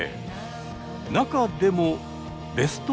中でもベスト３は？